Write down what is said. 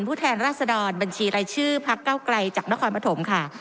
แทนราชดรบัญชีรายชื่อพักเก้าไกลจากนครปฐมค่ะ